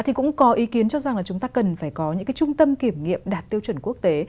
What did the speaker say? thì cũng có ý kiến cho rằng là chúng ta cần phải có những trung tâm kiểm nghiệm đạt tiêu chuẩn quốc tế